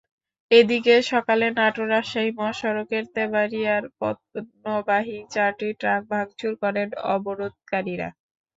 এদিকে সকালে নাটোর-রাজশাহী মহাসড়কের তেবাড়িয়ায় পণ্যবাহী চারটি ট্রাক ভাঙচুর করেন অবরোধকারীরা।